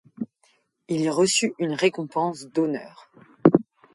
Il y reçut une récompense d'honneur.